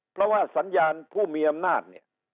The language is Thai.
เพราะว่าสัญญาณผู้มีอำนาจเนี่ย